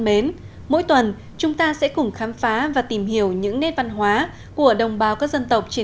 mến mỗi tuần chúng ta sẽ cùng khám phá và tìm hiểu những nét văn hóa của đồng bào các dân tộc trên